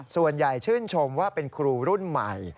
ส่วนใหญ่ชื่นชมว่าเป็นครูรุ่นใหม่